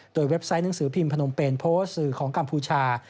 โดยเว็บไซต์หนังสือพิมพ์พนมเป็นโพสต์สื่อของกัมพูชา